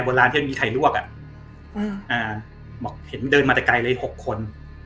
บนร้านที่มีไข่ลวกอ่ะอ่าเห็นมันเดินมาแต่ไกลเลย๖คน